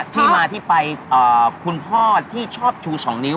ที่มาที่ไปคุณพ่อที่ชอบชู๒นิ้ว